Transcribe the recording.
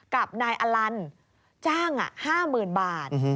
กับนายอลันจ้าง๕๐๐๐บาท